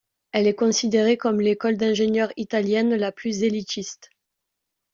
Elle est considérée comme l'école d'ingénieurs italienne la plus élitiste.